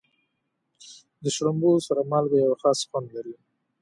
د شړومبو سره مالګه یوه خاصه خوندونه لري.